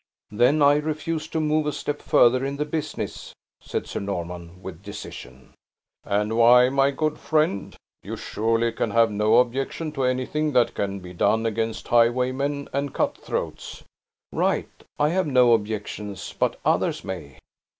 "Then I refuse to move a step further in the business!" said Sir Norman, with decision. "And why, my good friend? You surely can have no objection to anything that can be done against highwaymen and cut throats." "Right! I have no objections, but others may."